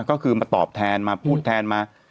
ก็คือมาตอบแทนมาพูดแทนมา